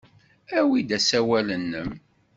Awi-d asawal-nnem.